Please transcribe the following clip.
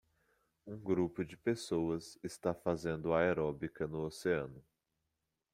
Um grupo de pessoas está fazendo aeróbica no oceano.